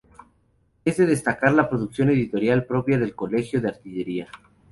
Es de destacar la producción editorial propia del Colegio de Artillería.